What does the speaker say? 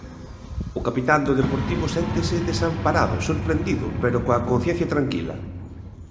O capitán do Deportivo séntese desamparado, sorprendido pero coa conciencia tranquila.